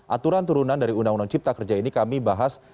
aturan turunan dari undang undang cipta kerja ini kami bahas